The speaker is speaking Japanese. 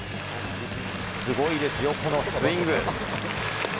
すごいですよ、このスイング。